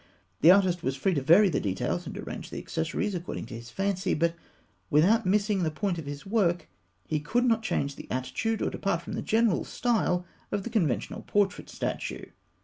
The artist was free to vary the details and arrange the accessories according to his fancy; but without missing the point of his work, he could not change the attitude, or depart from the general style of the conventional portrait statue.